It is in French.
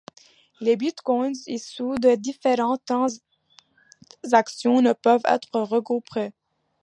Les bitcoins issus de différentes transactions ne peuvent être regroupés.